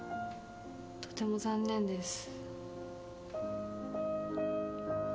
とても残念です。